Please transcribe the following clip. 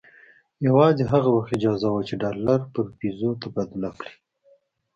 یوازې هغه وخت اجازه وه چې ډالر پر پیزو تبادله کړي.